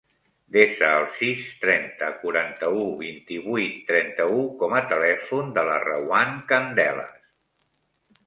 Desa el sis, trenta, quaranta-u, vint-i-vuit, trenta-u com a telèfon de la Rawan Candelas.